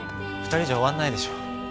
２人じゃ終わんないでしょ。